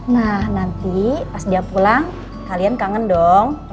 nah nanti pas dia pulang kalian kangen dong